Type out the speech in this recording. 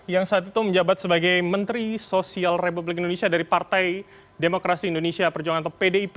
yang saat itu menjabat sebagai menteri sosial republik indonesia dari partai demokrasi indonesia perjuangan atau pdip